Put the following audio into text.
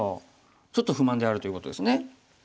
ちょっと不満であるということですね。